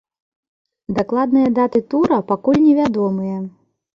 Дакладныя даты тура пакуль невядомыя.